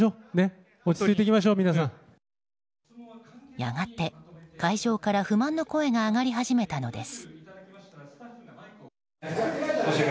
やがて会場から不満の声が上がり始めたのです。